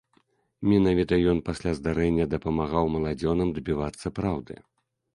Менавіта ён пасля здарэння дапамагаў маладзёнам дабівацца праўды.